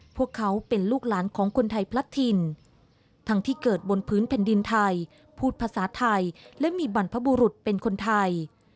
พวกเขาเป็นลูกหลานของคนไทยพลัดถิ่นทั้งที่เกิดบนพื้นแผ่นดินไทยพูดภาษาไทยและมีบรรพบุรุษเป็นคนไทย